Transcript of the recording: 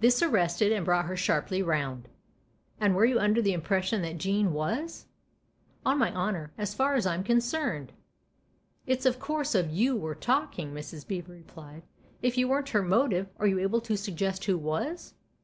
This arrested and brought her sharply round, "And were you under the impression that Jean was ?"" On my honour as far as I'm concerned !"" It's of course of you we're talking," Mrs. Beever replied. " If you weren't her motive are you able to suggest who was